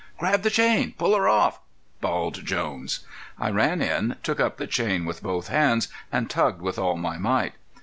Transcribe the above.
"Grab the chain! Pull her off!" bawled Jones. I ran in, took up the chain with both hands, and tugged with all my might.